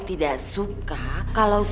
tidak suka kalau